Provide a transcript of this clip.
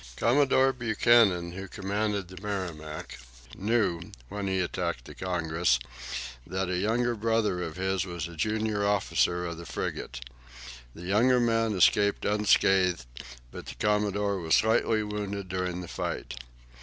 Commodore Buchanan, who commanded the "Merrimac," knew, when he attacked the "Congress," that a younger brother of his was a junior officer of the frigate. The younger man escaped unscathed, but the commodore was slightly wounded during the fight.